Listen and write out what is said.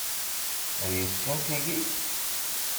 D yessi-m tigi?